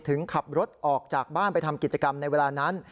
ขับรถออกจากบ้านไปทำกิจกรรมในเวลานั้น